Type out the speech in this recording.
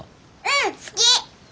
うん好き。